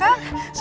nah fokus ya